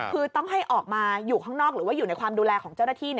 คือต้องให้ออกมาอยู่ข้างนอกหรือว่าอยู่ในความดูแลของเจ้าหน้าที่